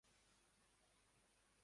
この情報コーナー、ほとんど宣伝だな